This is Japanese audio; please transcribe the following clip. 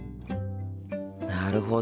なるほど。